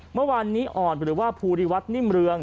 เมื่อวานนี้อ่อนหรือว่าภูริวัฒนิ่มเรือง